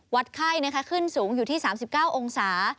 ไข้ขึ้นสูงอยู่ที่๓๙องศา